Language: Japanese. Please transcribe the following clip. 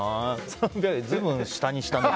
随分、下にしたね。